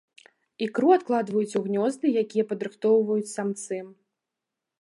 Ікру адкладваюць у гнёзды, якія падрыхтоўваюць самцы.